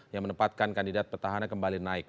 yang menempatkan kandidat petahana kembali naik